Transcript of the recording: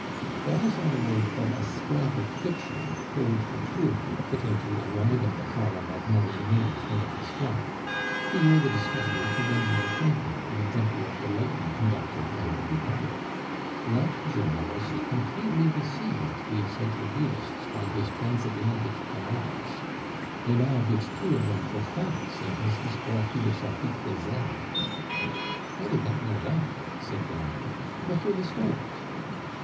"That is our word for a scrap of fiction told for true, put in to enliven the column of morning news when it is flat. We owe the discovery to Benjamin Franklin, the inventor of the lightning conductor and the republic. That journalist completely deceived the Encyclopaedists by his transatlantic canards. Raynal gives two of them for facts in his Histoire philosophique des Indes." "I did not know that," said Vernou. "What were the stories?"